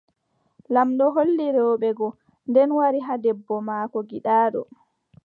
Laamɗo hooli rewɓe go, nden wari haa debbo maako giɗaaɗo.